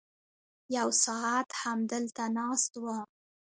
یو ساعت همدلته ناست وم.